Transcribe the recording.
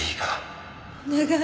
お願い。